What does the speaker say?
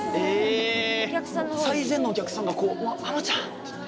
最前のお客さんがあのちゃんって言って。